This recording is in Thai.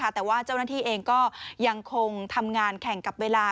แต่ว่าเจ้าหน้าที่เองก็ยังคงทำงานแข่งกับเวลา